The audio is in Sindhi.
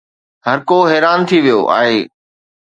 هرڪو حيران ٿي ويو آهي.